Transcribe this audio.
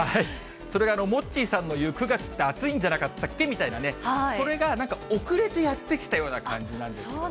それがモッチーさんの言う９月って暑いんじゃなかったっけみたいな、それがなんか、遅れてやって来たような感じなんですよね。